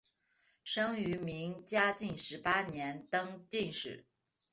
生于明嘉靖十八年登进士。